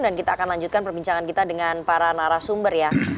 dan kita akan lanjutkan perbincangan kita dengan para narasumber